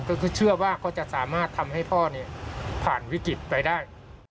ก็คือเชื่อว่าเขาจะสามารถทำให้พ่อผ่านวิกฤตไปได้